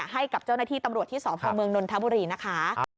ให้กับเจ้าหน้าที่ตำรวจที่สพเมืองนนทบุรีนะคะ